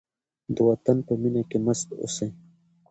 د وطن په مینه کې مست اوسئ.